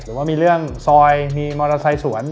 หรือว่ามีเรื่องซอยมีมอเตอร์ไซค์สวน